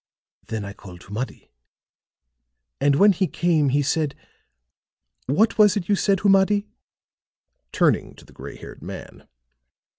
Then I called Humadi; and when he came he said what was it you said, Humadi?" turning to the gray haired man.